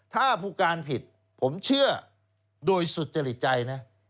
ถ้าผู้การผิดผมเชื่อโดยสุจริตใจนะ